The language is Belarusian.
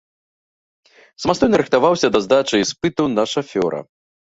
Самастойна рыхтаваўся да здачы іспытаў на шафёра.